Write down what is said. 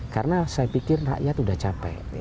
karena saya pikir rakyat sudah capek